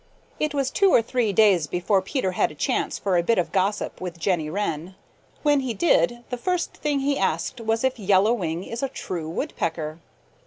It was two or three days before Peter had a chance for a bit of gossip with Jenny Wren. When he did the first thing he asked was if Yellow Wing is a true Woodpecker.